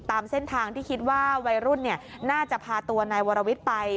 ตามเส้นทางที่คิดว่าวัยรุ่นน่าจะพาตัวนายวรวิทย์ไป